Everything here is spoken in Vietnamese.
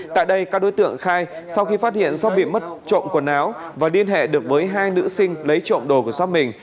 tại đây các đối tượng khai sau khi phát hiện do bị mất trộm quần áo và liên hệ được với hai nữ sinh lấy trộm đồ của xót mình